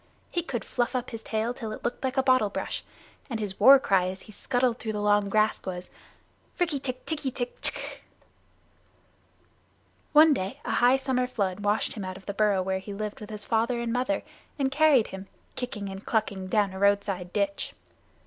He could fluff up his tail till it looked like a bottle brush, and his war cry as he scuttled through the long grass was: "Rikk tikk tikki tikki tchk!" One day, a high summer flood washed him out of the burrow where he lived with his father and mother, and carried him, kicking and clucking, down a roadside ditch.